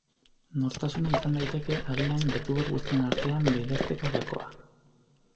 Nortasuna izan daiteke, agian, youtuber guztien artean bereizteko gakoa.